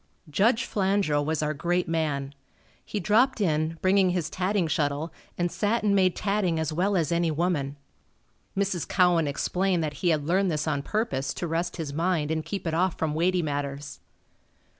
Judge Flandrau was our great man. He dropped in, bringing his tatting shuttle, and sat and made tatting as well as any woman. Mrs. Cowan explained that he had learned this on purpose to rest his mind and keep it off from weighty matters.